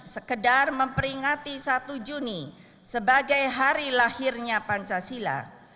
sekedar memperingati satu juni sebagai hari lahirnya pancasila